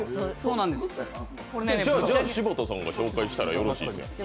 じゃあ柴田さんが紹介したらよろしいじゃない。